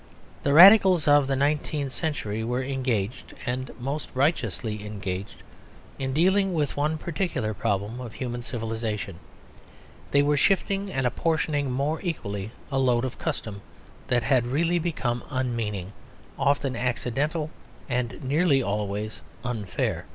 The Radicals of the nineteenth century were engaged, and most righteously engaged, in dealing with one particular problem of human civilisation; they were shifting and apportioning more equally a load of custom that had really become unmeaning, often accidental, and nearly always unfair.